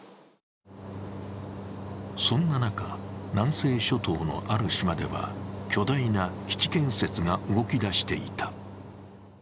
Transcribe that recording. そんな中、南西諸島のある島では巨大な基地建設が動き出していた。